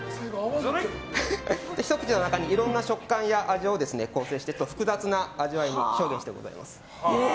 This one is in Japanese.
ひと口の中にいろんな食感や味を構成して複雑な味わいに表現してございます。